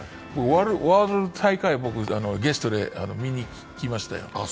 ワールド大会をゲストで見にいきましたよ。